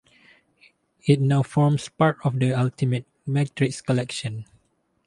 It now forms part of The Ultimate Matrix Collection.